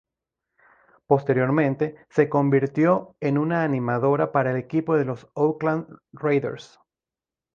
Posteriormente, se convirtió en una animadora para el equipo de los Oakland Raiders.